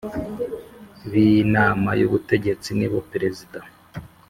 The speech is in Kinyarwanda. b Inama y Ubutegetsi nibo Perezida